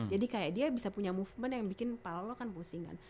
jadi kayak dia bisa punya movement yang bikin kepala lo kan pusingan